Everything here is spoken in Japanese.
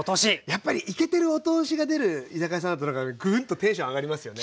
やっぱりいけてるお通しが出る居酒屋さんだとなんかグーンとテンション上がりますよね。